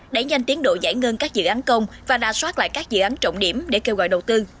đẩy nhanh tiến độ giải ngân các dự án công và đa soát lại các dự án trọng điểm để kêu gọi đầu tư